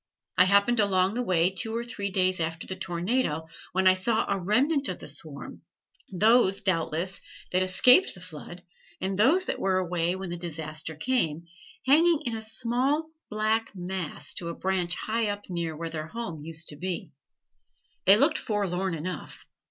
I happened along that way two or three days after the tornado, when I saw a remnant of the swarm, those, doubtless, that escaped the flood and those that were away when the disaster came, hanging in a small black mass to a branch high up near where their home used to be. They looked forlorn enough.